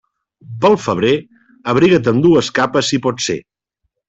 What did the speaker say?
Pel febrer, abriga't amb dues capes si pot ser.